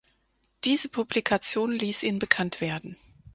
Diese Publikation ließ ihn bekannt werden.